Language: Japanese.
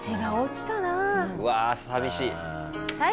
うわ寂しい。